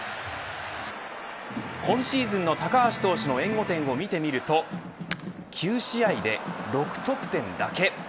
今シーズンの高橋投手の援護点を見てみると９試合で６得点だけ。